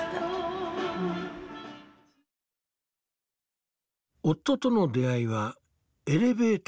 夫との出会いはエレベーターの中だった。